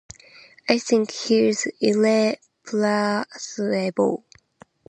I think he's irreplaceable.